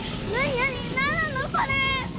なんなのこれ！？